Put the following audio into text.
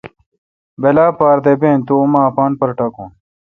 بلا پار دہ بین تے تو اما اپان پر ٹاکون۔